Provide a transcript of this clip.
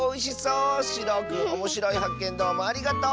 しろうくんおもしろいはっけんどうもありがとう！